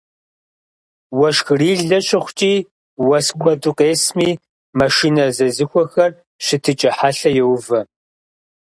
Уэшхырилэ щыхъукӀи, уэс куэду къесми, машинэ зезыхуэхэр щытыкӀэ хьэлъэ йоувэ.